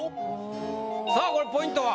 さあこれポイントは？